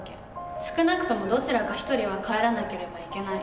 少なくともどちらか１人は帰らなければいけない。